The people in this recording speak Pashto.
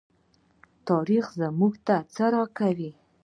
تاریخ موږ ته څه راکوي؟